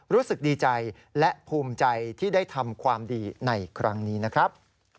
รู้สึกดีใจและภูมิใจที่ได้ทำความดีในครั้งนี้นะครับ